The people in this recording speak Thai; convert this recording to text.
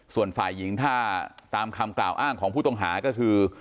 ส่วนฝ่ายหญิงถ้าตามคำกล่าวอ้างของผู้ต้องหาก็คือ